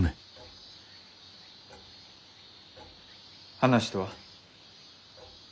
話とは？